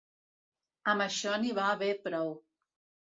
Amb això n'hi va haver prou.